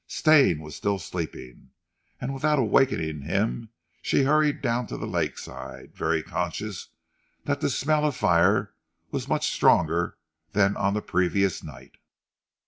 Stane was still sleeping, and without awakening him she hurried down to the lakeside, very conscious that the smell of fire was much stronger than on the previous night.